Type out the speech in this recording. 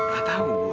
gak tahu bu